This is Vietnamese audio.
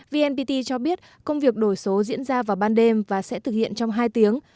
vnpt cho biết công việc đổi số diễn ra vào ban đêm và sẽ thực hiện trong hai tiếng